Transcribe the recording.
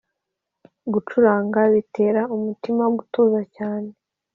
Gucuranga bitera umutima gutuza cyane